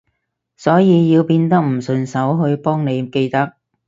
所以要變得唔順手去幫你記得